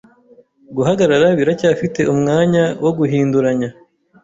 Guhagarara biracyafite umwanya wo guhinduranya